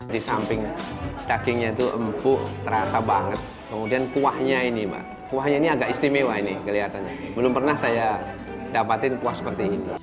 di samping dagingnya itu empuk terasa banget kemudian kuahnya ini mbak kuahnya ini agak istimewa ini kelihatannya belum pernah saya dapatin kuah seperti ini